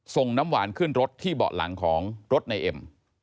ส่งน้ำหวานขึ้นรถที่เบาะหลังของรถนายเอ็ม